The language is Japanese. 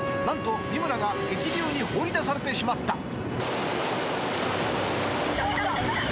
［何と三村が激流に放り出されてしまった］